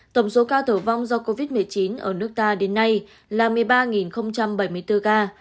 tổng số ca tử vong do covid một mươi chín ở nước ta đến nay là một mươi ba bảy mươi bốn ca